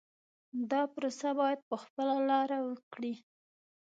دا پروسه باید په خپله لاره وکړي.